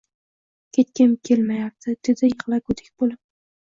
Ketgim kelmayapti, dedi yig`lagudek bo`lib